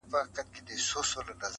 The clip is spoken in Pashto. اوس به څوك د جلالا ګودر ته يوسي!!